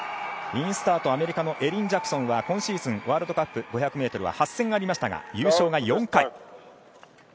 インスタート、アメリカのエリン・ジャクソンは今シーズン、ワールドカップ５００ｍは８戦ありましたが優勝が４回。